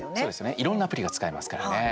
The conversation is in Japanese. いろんなアプリが使えますからね。